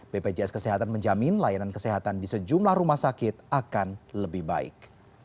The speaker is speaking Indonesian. bpjs kesehatan menjamin layanan kesehatan di sejumlah rumah sakit akan lebih baik